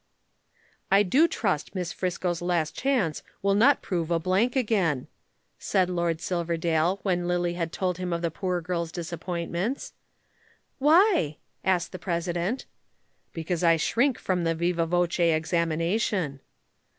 "I do trust Miss Friscoe's last chance will not prove a blank again," said Lord Silverdale, when Lillie had told him of the poor girl's disappointments. "Why?" asked the President. "Because I shrink from the viva voce examination."